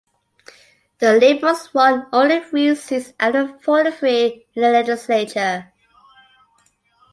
The Liberals won only three seats out of forty-three in the legislature.